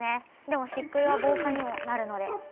でも漆喰は防火にもなるので。